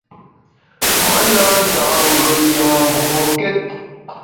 Me na nta’ ngùet yùm mbokét.